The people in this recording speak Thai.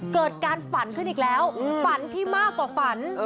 เกิดการฝันขึ้นอีกแล้วฝันที่มากกว่าฝัน